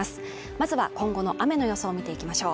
まずは今後の雨の予想を見ていきましょう